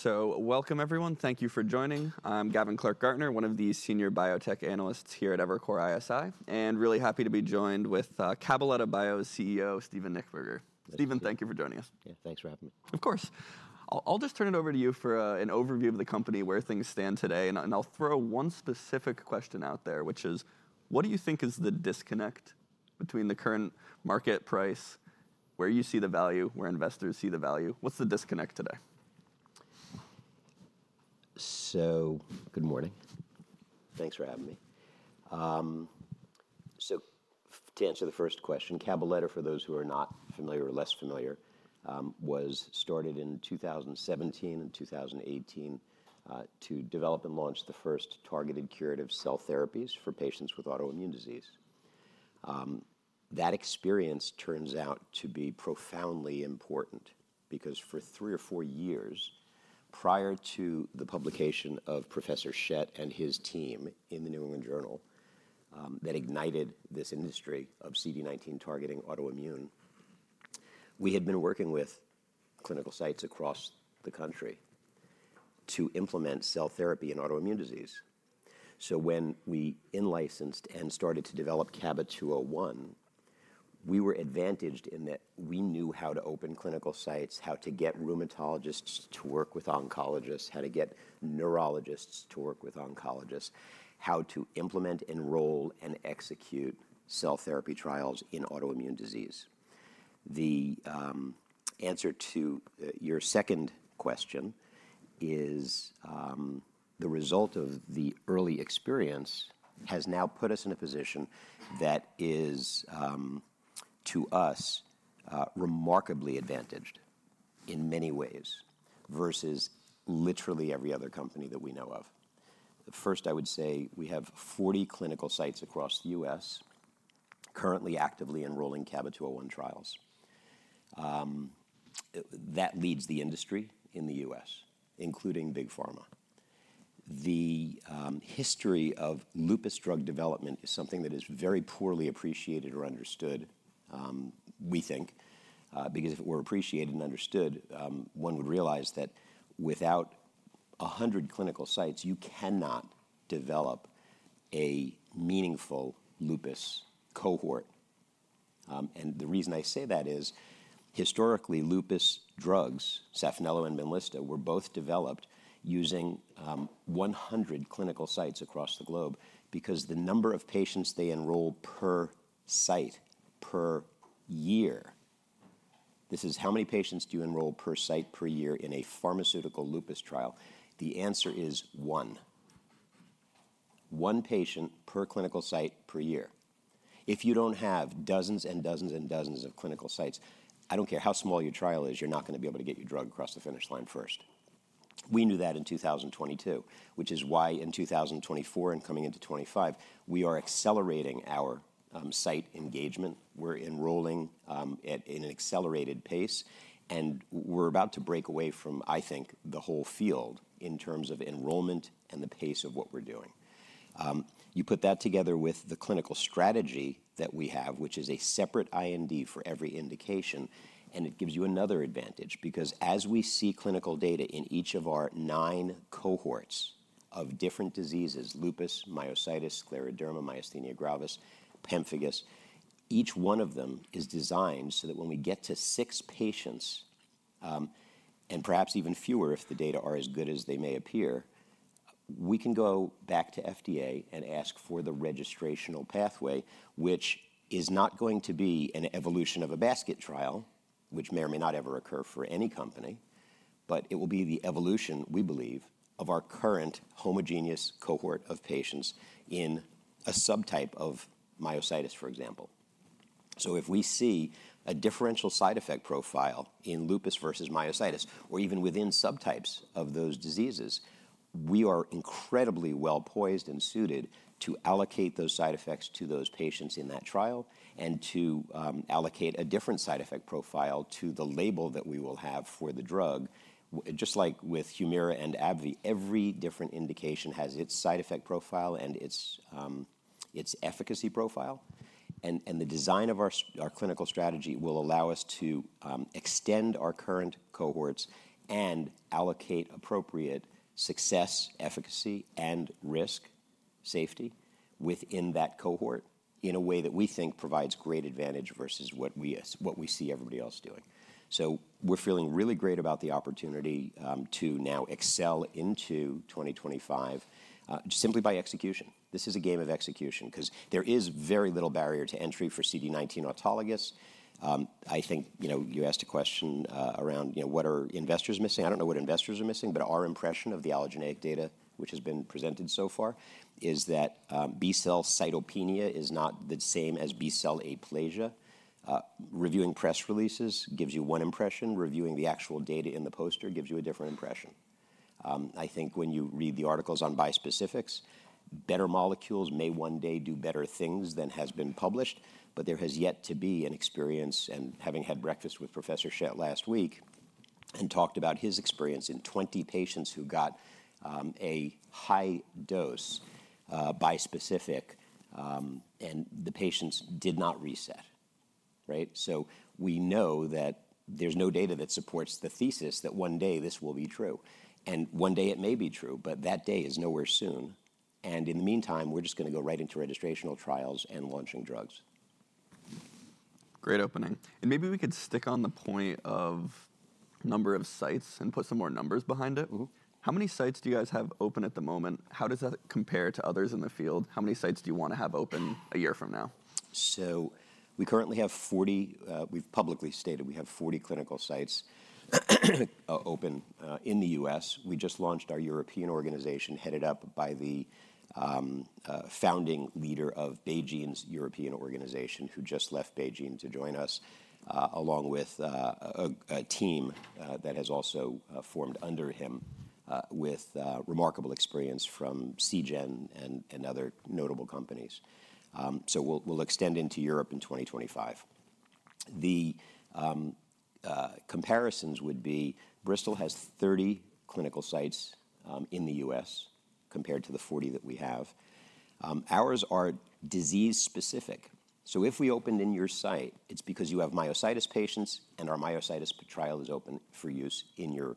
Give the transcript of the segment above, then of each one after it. So welcome, everyone. Thank you for joining. I'm Gavin Clark-Gartner, one of the senior biotech analysts here at Evercore ISI, and really happy to be joined with Cabaletta Bio's CEO, Steven Nichtberger. Steven, thank you for joining us. Yeah, thanks for having me. Of course. I'll just turn it over to you for an overview of the company, where things stand today, and I'll throw one specific question out there, which is, what do you think is the disconnect between the current market price, where you see the value, where investors see the value? What's the disconnect today? Good morning. Thanks for having me. To answer the first question, Cabaletta, for those who are not familiar or less familiar, was started in 2017 and 2018 to develop and launch the first targeted curative cell therapies for patients with autoimmune disease. That experience turns out to be profoundly important because for three or four years prior to the publication of Professor Schett and his team in the New England Journal that ignited this industry of CD19 targeting autoimmune, we had been working with clinical sites across the country to implement cell therapy in autoimmune disease. When we in-licensed and started to develop CABA-201, we were advantaged in that we knew how to open clinical sites, how to get rheumatologists to work with oncologists, how to get neurologists to work with oncologists, how to implement, enroll, and execute cell therapy trials in autoimmune disease. The answer to your second question is the result of the early experience has now put us in a position that is, to us, remarkably advantaged in many ways versus literally every other company that we know of. First, I would say we have 40 clinical sites across the U.S. currently actively enrolling CABA-201 trials. That leads the industry in the U.S., including big pharma. The history of lupus drug development is something that is very poorly appreciated or understood, we think, because if it were appreciated and understood, one would realize that without 100 clinical sites, you cannot develop a meaningful lupus cohort. The reason I say that is, historically, lupus drugs, Saphnelo and Benlysta, were both developed using 100 clinical sites across the globe because the number of patients they enroll per site per year, this is how many patients do you enroll per site per year in a pharmaceutical lupus trial? The answer is one. One patient per clinical site per year. If you don't have dozens and dozens and dozens of clinical sites, I don't care how small your trial is, you're not going to be able to get your drug across the finish line first. We knew that in 2022, which is why in 2024 and coming into 2025, we are accelerating our site engagement. We're enrolling at an accelerated pace, and we're about to break away from, I think, the whole field in terms of enrollment and the pace of what we're doing. You put that together with the clinical strategy that we have, which is a separate IND for every indication, and it gives you another advantage because as we see clinical data in each of our nine cohorts of different diseases: lupus, myositis, scleroderma, myasthenia gravis, pemphigus, each one of them is designed so that when we get to six patients, and perhaps even fewer if the data are as good as they may appear, we can go back to FDA and ask for the registrational pathway, which is not going to be an evolution of a basket trial, which may or may not ever occur for any company, but it will be the evolution, we believe, of our current homogeneous cohort of patients in a subtype of myositis, for example. So if we see a differential side effect profile in lupus versus myositis, or even within subtypes of those diseases, we are incredibly well poised and suited to allocate those side effects to those patients in that trial and to allocate a different side effect profile to the label that we will have for the drug. Just like with Humira and AbbVie, every different indication has its side effect profile and its efficacy profile, and the design of our clinical strategy will allow us to extend our current cohorts and allocate appropriate success, efficacy, and risk safety within that cohort in a way that we think provides great advantage versus what we see everybody else doing. So we're feeling really great about the opportunity to now excel into 2025 simply by execution. This is a game of execution because there is very little barrier to entry for CD19 autologous. I think you asked a question around what are investors missing. I don't know what investors are missing, but our impression of the allogeneic data, which has been presented so far, is that B-cell cytopenia is not the same as B-cell aplasia. Reviewing press releases gives you one impression. Reviewing the actual data in the poster gives you a different impression. I think when you read the articles on bispecifics, better molecules may one day do better things than has been published, but there has yet to be an experience, and having had breakfast with Professor Schett last week and talked about his experience in 20 patients who got a high-dose bispecific, and the patients did not reset. So we know that there's no data that supports the thesis that one day this will be true, and one day it may be true, but that day is nowhere soon. And in the meantime, we're just going to go right into registrational trials and launching drugs. Great opening, and maybe we could stick on the point of number of sites and put some more numbers behind it. How many sites do you guys have open at the moment? How does that compare to others in the field? How many sites do you want to have open a year from now? So we currently have 40. We've publicly stated we have 40 clinical sites open in the U.S. We just launched our European organization headed up by the founding leader of BeiGene's European organization, who just left BeiGene to join us, along with a team that has also formed under him with remarkable experience from Celgene and other notable companies. So we'll extend into Europe in 2025. The comparisons would be Bristol has 30 clinical sites in the U.S. compared to the 40 that we have. Ours are disease-specific. So if we opened in your site, it's because you have myositis patients and our myositis trial is open for use in your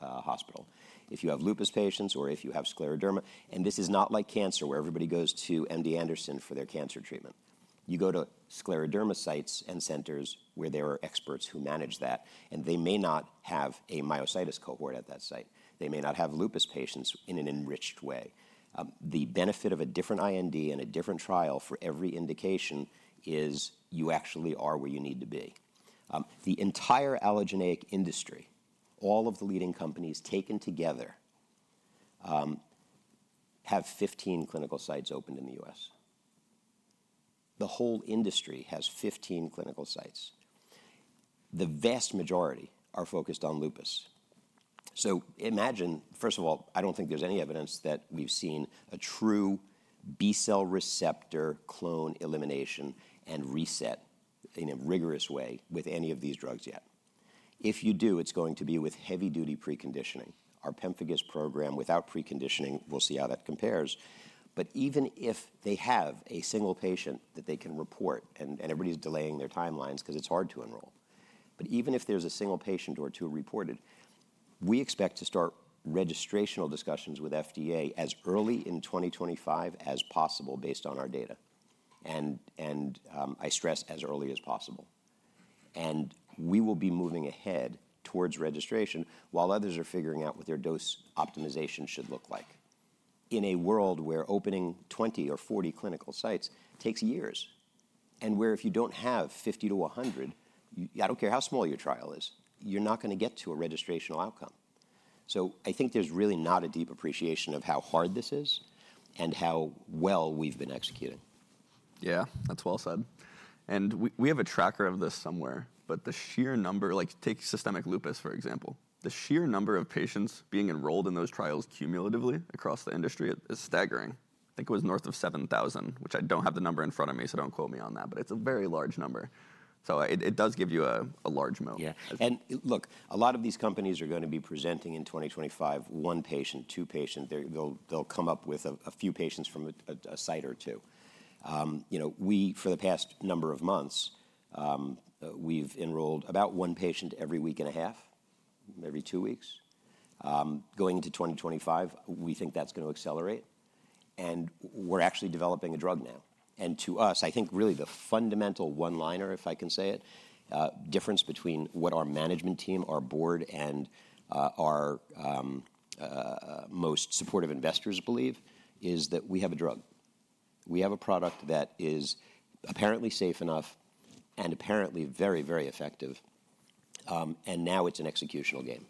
hospital. If you have lupus patients or if you have scleroderma, and this is not like cancer where everybody goes to MD Anderson for their cancer treatment. You go to scleroderma sites and centers where there are experts who manage that, and they may not have a myositis cohort at that site. They may not have lupus patients in an enriched way. The benefit of a different IND and a different trial for every indication is you actually are where you need to be. The entire allogeneic industry, all of the leading companies taken together, have 15 clinical sites opened in the U.S. The whole industry has 15 clinical sites. The vast majority are focused on lupus. So imagine, first of all, I don't think there's any evidence that we've seen a true B-cell receptor clone elimination and reset in a rigorous way with any of these drugs yet. If you do, it's going to be with heavy-duty preconditioning. Our pemphigus program, without preconditioning, we'll see how that compares. But even if they have a single patient that they can report, and everybody's delaying their timelines because it's hard to enroll, but even if there's a single patient or two reported, we expect to start registrational discussions with FDA as early in 2025 as possible based on our data, and I stress as early as possible, and we will be moving ahead towards registration while others are figuring out what their dose optimization should look like in a world where opening 20 or 40 clinical sites takes years and where if you don't have 50-100, I don't care how small your trial is, you're not going to get to a registrational outcome, so I think there's really not a deep appreciation of how hard this is and how well we've been executing. Yeah, that's well said. And we have a tracker of this somewhere, but the sheer number, like take systemic lupus, for example, the sheer number of patients being enrolled in those trials cumulatively across the industry is staggering. I think it was north of 7,000, which I don't have the number in front of me, so don't quote me on that, but it's a very large number. So it does give you a large moat. Yeah. And look, a lot of these companies are going to be presenting in 2025, one patient, two patients. They'll come up with a few patients from a site or two. We, for the past number of months, we've enrolled about one patient every week and a half, every two weeks. Going into 2025, we think that's going to accelerate. And we're actually developing a drug now. And to us, I think really the fundamental one-liner, if I can say it, difference between what our management team, our board, and our most supportive investors believe is that we have a drug. We have a product that is apparently safe enough and apparently very, very effective. And now it's an executional game.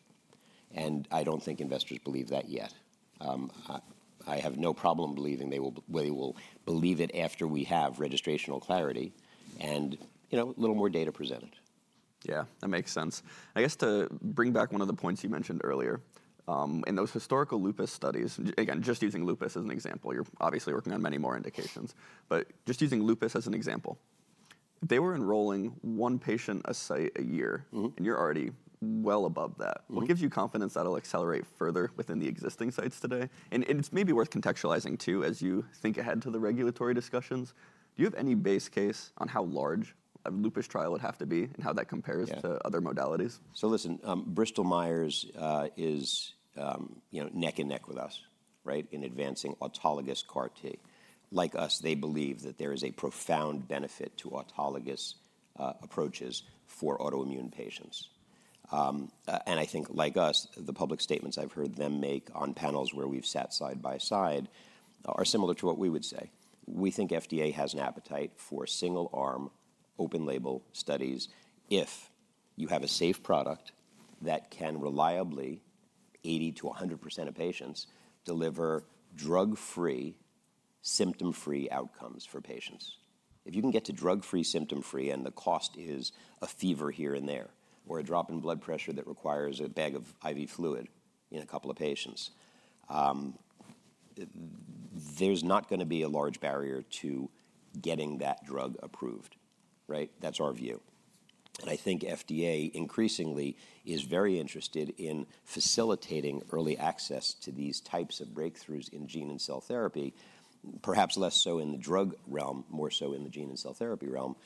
And I don't think investors believe that yet. I have no problem believing they will believe it after we have registrational clarity and a little more data presented. Yeah, that makes sense. I guess to bring back one of the points you mentioned earlier, in those historical lupus studies, again, just using lupus as an example, you're obviously working on many more indications, but just using lupus as an example, if they were enrolling one patient a site a year and you're already well above that, what gives you confidence that it'll accelerate further within the existing sites today? And it's maybe worth contextualizing too as you think ahead to the regulatory discussions. Do you have any base case on how large a lupus trial would have to be and how that compares to other modalities? So listen, Bristol-Myers is neck and neck with us in advancing autologous CAR-T. Like us, they believe that there is a profound benefit to autologous approaches for autoimmune patients. And I think like us, the public statements I've heard them make on panels where we've sat side by side are similar to what we would say. We think FDA has an appetite for single-arm open-label studies if you have a safe product that can reliably 80%-100% of patients deliver drug-free, symptom-free outcomes for patients. If you can get to drug-free, symptom-free, and the cost is a fever here and there or a drop in blood pressure that requires a bag of IV fluid in a couple of patients, there's not going to be a large barrier to getting that drug approved. That's our view. I think FDA increasingly is very interested in facilitating early access to these types of breakthroughs in gene and cell therapy, perhaps less so in the drug realm, more so in the gene and cell therapy realm.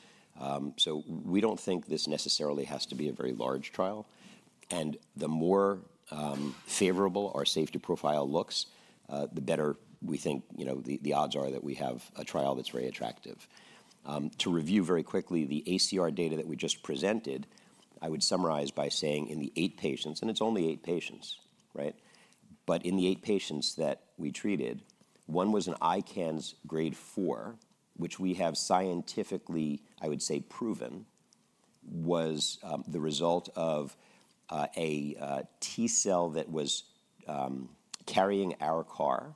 So we don't think this necessarily has to be a very large trial. The more favorable our safety profile looks, the better we think the odds are that we have a trial that's very attractive. To review very quickly the ACR data that we just presented, I would summarize by saying in the eight patients, and it's only eight patients, but in the eight patients that we treated, one was an ICANS grade 4, which we have scientifically, I would say, proven was the result of a T-cell that was carrying our CAR.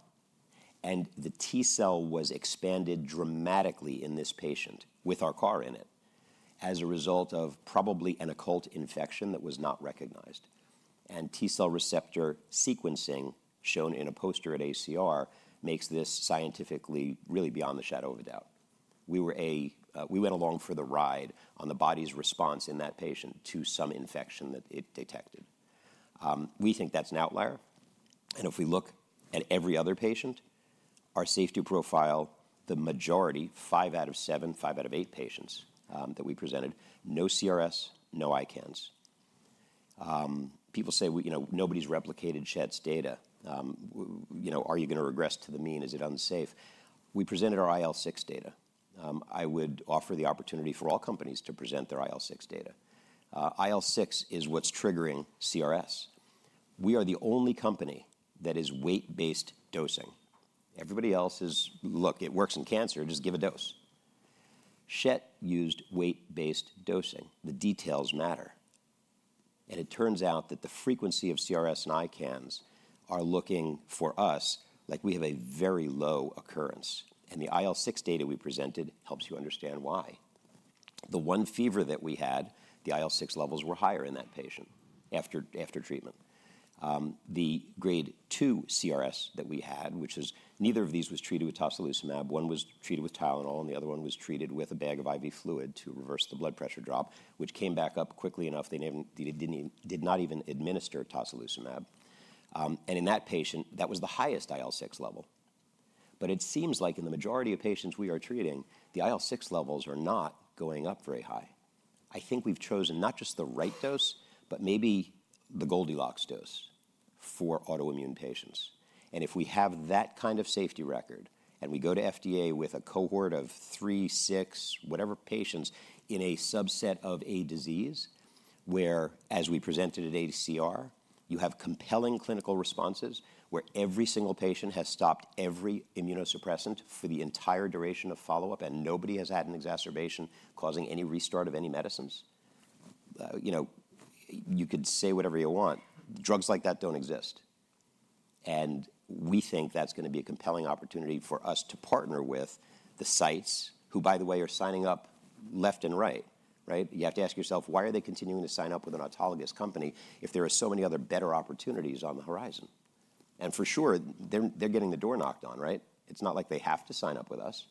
The T-cell was expanded dramatically in this patient with our CAR in it as a result of probably an occult infection that was not recognized. T-cell receptor sequencing shown in a poster at ACR makes this scientifically really beyond the shadow of a doubt. We went along for the ride on the body's response in that patient to some infection that it detected. We think that's an outlier. If we look at every other patient, our safety profile, the majority, five out of seven, five out of eight patients that we presented, no CRS, no ICANS. People say nobody's replicated Schett's data. Are you going to regress to the mean? Is it unsafe? We presented our IL-6 data. I would offer the opportunity for all companies to present their IL-6 data. IL-6 is what's triggering CRS. We are the only company that is weight-based dosing. Everybody else is, look, it works in cancer. Just give a dose. Schett used weight-based dosing. The details matter. And it turns out that the frequency of CRS and ICANS are looking for us like we have a very low occurrence. And the IL-6 data we presented helps you understand why. The one fever that we had, the IL-6 levels were higher in that patient after treatment. The grade 2 CRS that we had, which is neither of these was treated with tocilizumab. One was treated with Tylenol, and the other one was treated with a bag of IV fluid to reverse the blood pressure drop, which came back up quickly enough. They did not even administer tocilizumab. And in that patient, that was the highest IL-6 level. But it seems like in the majority of patients we are treating, the IL-6 levels are not going up very high. I think we've chosen not just the right dose, but maybe the Goldilocks dose for autoimmune patients, and if we have that kind of safety record and we go to FDA with a cohort of three, six, whatever patients in a subset of a disease where, as we presented at ACR, you have compelling clinical responses where every single patient has stopped every immunosuppressant for the entire duration of follow-up and nobody has had an exacerbation causing any restart of any medicines, you could say whatever you want, drugs like that don't exist, and we think that's going to be a compelling opportunity for us to partner with the sites who, by the way, are signing up left and right. You have to ask yourself, why are they continuing to sign up with an autologous company if there are so many other better opportunities on the horizon? And for sure, they're getting the door knocked on. It's not like they have to sign up with us.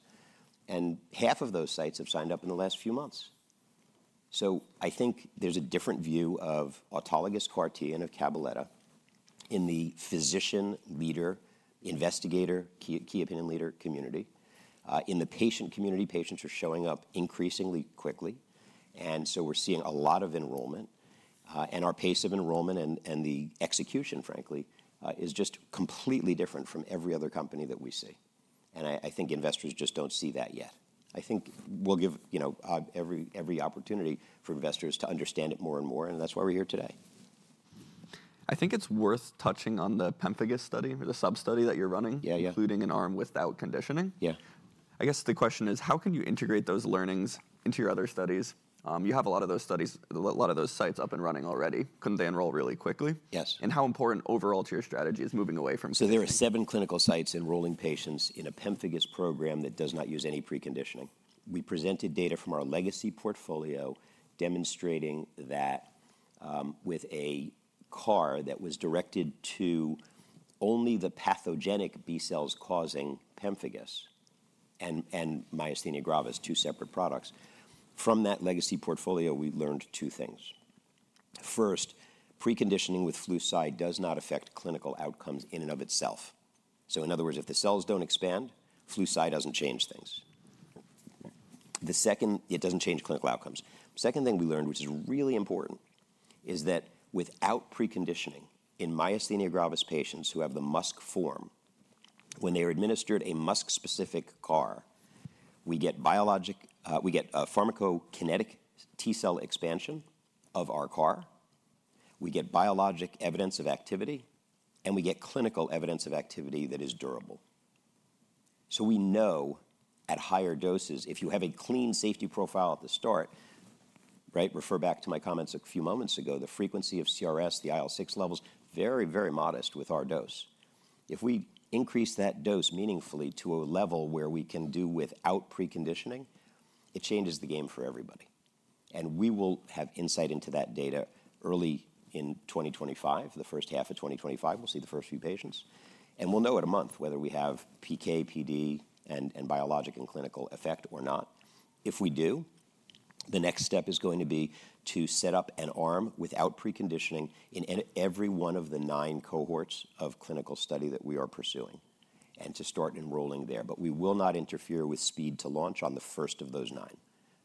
And half of those sites have signed up in the last few months. So I think there's a different view of autologous CAR-T and of Cabaletta in the physician leader, investigator, key opinion leader community. In the patient community, patients are showing up increasingly quickly. And so we're seeing a lot of enrollment. And our pace of enrollment and the execution, frankly, is just completely different from every other company that we see. And I think investors just don't see that yet. I think we'll give every opportunity for investors to understand it more and more. And that's why we're here today. I think it's worth touching on the Pemphigus study, the sub-study that you're running, including an arm without conditioning. Yeah. I guess the question is, how can you integrate those learnings into your other studies? You have a lot of those studies, a lot of those sites up and running already. Couldn't they enroll really quickly? Yes. How important overall to your strategy is moving away from? So there are seven clinical sites enrolling patients in a pemphigus program that does not use any preconditioning. We presented data from our legacy portfolio demonstrating that with a CAR that was directed to only the pathogenic B-cells causing pemphigus and myasthenia gravis, two separate products. From that legacy portfolio, we learned two things. First, preconditioning with Flu/Cy does not affect clinical outcomes in and of itself. So in other words, if the cells don't expand, Flu/Cy doesn't change things. The second thing we learned, which is really important, is that without preconditioning in myasthenia gravis patients who have the MuSK form, when they are administered a MuSK-specific CAR, we get pharmacokinetic T-cell expansion of our CAR. We get biologic evidence of activity, and we get clinical evidence of activity that is durable. So we know at higher doses, if you have a clean safety profile at the start, refer back to my comments a few moments ago, the frequency of CRS, the IL-6 levels, very, very modest with our dose. If we increase that dose meaningfully to a level where we can do without preconditioning, it changes the game for everybody. And we will have insight into that data early in 2025, the first half of 2025. We'll see the first few patients. And we'll know in a month whether we have PK, PD, and biologic and clinical effect or not. If we do, the next step is going to be to set up an arm without preconditioning in every one of the nine cohorts of clinical study that we are pursuing and to start enrolling there. But we will not interfere with speed to launch on the first of those nine.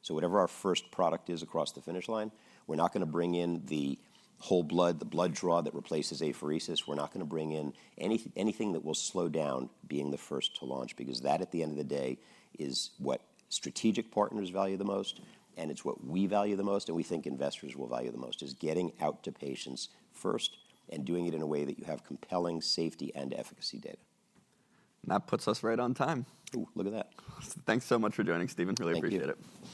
Whatever our first product is across the finish line, we're not going to bring in the whole blood, the blood draw that replaces apheresis. We're not going to bring in anything that will slow down being the first to launch because that at the end of the day is what strategic partners value the most, and it's what we value the most, and we think investors will value the most, is getting out to patients first and doing it in a way that you have compelling safety and efficacy data. That puts us right on time. Ooh, look at that. Thanks so much for joining, Steven. Really appreciate it.